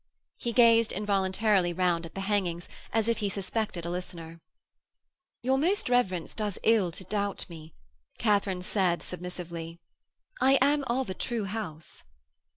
He gazed involuntarily round at the hangings as if he suspected a listener. 'Your Most Reverence does ill to doubt me,' Katharine said submissively. 'I am of a true house.'